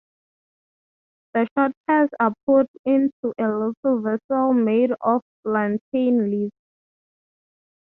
The short hairs are put into a little vessel made of plantain leaves.